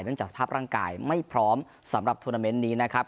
จากสภาพร่างกายไม่พร้อมสำหรับทวนาเมนต์นี้นะครับ